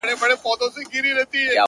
ورور مي اخلي ریسوتونه ښه پوهېږم,